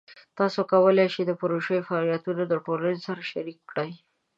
تاسو کولی شئ د پروژې فعالیتونه د ټولنې سره شریک کړئ.